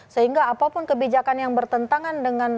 sehingga apapun kebijakan yang bertentangan dengan